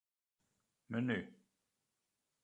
Menu.